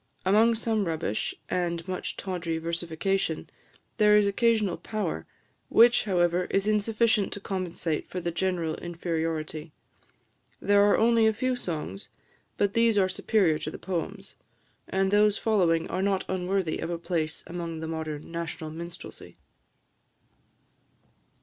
Among some rubbish, and much tawdry versification, there is occasional power, which, however, is insufficient to compensate for the general inferiority. There are only a few songs, but these are superior to the poems; and those following are not unworthy of a place among the modern national minstrelsy.